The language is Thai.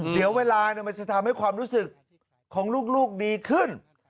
เดี๋ยวเวลามันจะทำให้ความรู้สึกของลูกดีขึ้น